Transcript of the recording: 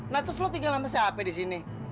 nah terus lo tinggal sama si api disini